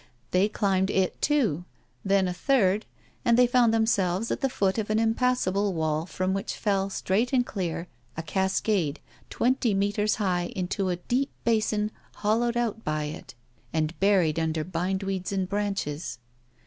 They climbed it, too, then a third; and they found themselves at the foot of an impassable wall from which fell, straight and clear, a cascade twenty meters high into a deep basin hollowed out by it, and buried under bindweeds and branches.